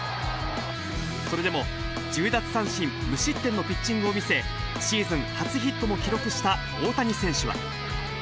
それでも１０奪三振無失点のピッチングを見せ、シーズン初ヒットも記録した大谷選手は。